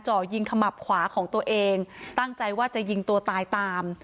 จ่อยิงขมับขวาของตัวเองตั้งใจว่าจะยิงตัวตายตาม